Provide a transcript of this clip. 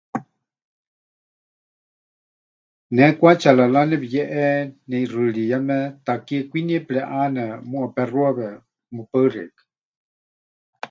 Ne kwachalalá nepɨyeʼe neʼixɨɨriyame, takie kwinie pɨreʼane, muuwa pexuawe. Mɨpaɨ xeikɨ́a.